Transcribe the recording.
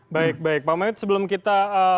baik baik pak mahyud sebelum kita